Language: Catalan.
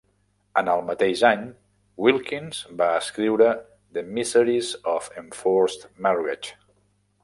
En el mateix any, Wilkins va escriure "The Miseries of Enforced Marriage".